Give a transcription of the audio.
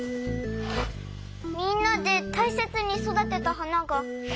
みんなでたいせつにそだてたはなが。